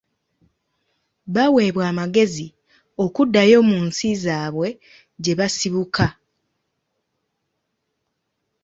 Baaweebwa amagezi okuddayo mu nsi zaabwe gye basibuka.